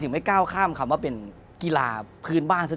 ที่ผ่านมาที่มันถูกบอกว่าเป็นกีฬาพื้นบ้านเนี่ย